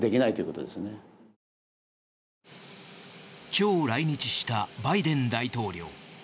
今日、来日したバイデン大統領。